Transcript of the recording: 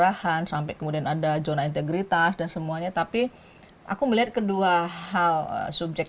lahan sampai kemudian ada zona integritas dan semuanya tapi aku melihat kedua hal subjek